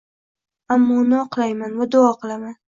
ammo uni oqlayman va duo qilaman.